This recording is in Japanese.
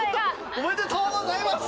おめでとうございますね